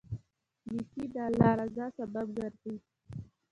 نیکي د الله رضا سبب ګرځي.